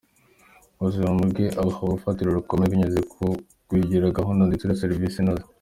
Ubuzima bwe abuha urufatiro rukomeye binyuze mu kugira gahunda ndetse na serivisi inoze.